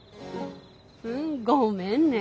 うんごめんね。